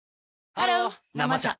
ハロー「生茶」